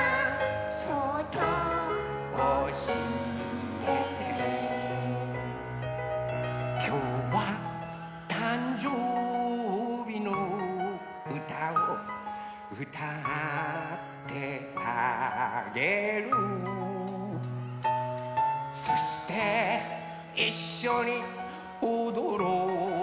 「そっとおしえて」「きょうはたんじょうびのうたをうたってあげる」「そしていっしょにおどろうよ」